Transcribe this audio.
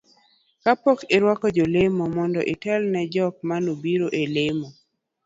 kapok orwuak jalemo mondo otel ne jok maneobiro e lamo